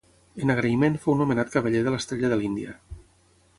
En agraïment fou nomenat cavaller de l'estrella de l'Índia.